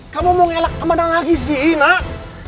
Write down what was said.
kamu mau ngelak kemana lagi sih nak